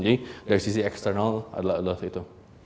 jadi dari sisi external adalah itu